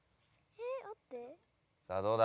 さあどうだ？